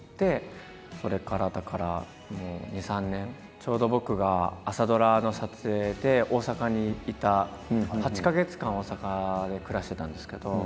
ちょうど僕が朝ドラの撮影で大阪にいた８か月間大阪で暮らしてたんですけど。